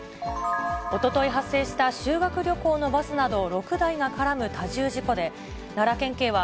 おととい発生した修学旅行のバスなど６台が絡む多重事故で、奈良県警は、